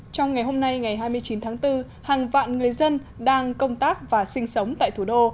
trong ngày hôm nay ngày hai mươi chín tháng bốn hàng vạn người dân đang công tác và sinh sống tại thủ đô